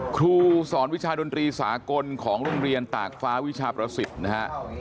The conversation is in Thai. ครูสอนวิชาดนตรีสากลของโรงเรียนตากฟ้าวิชาประสิทธิ์นะฮะ